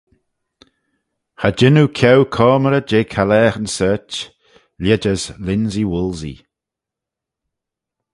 Cha jean oo ceau coamrey jeh caghlaaghyn sorch, lheid as linsey-woolsey.